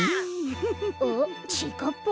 あっちぃかっぱ？